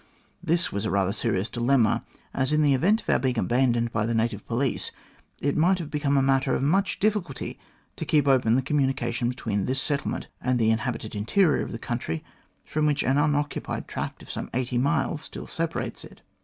This was rather a serious dilemma, as in the event of our being abandoned by the native police, it might have become a matter of much difficulty to keep open the communication between this settlement and the inhabited interior of the country, from which an unoccupied tract of some eighty miles still separates it.